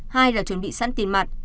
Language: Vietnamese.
hai là chuẩn bị sẵn tiền mặt